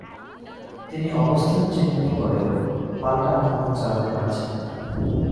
কিন্তু অবস্থান চিহ্নিত করেও পাল্টা আক্রমণ চালাতে পারছেন না।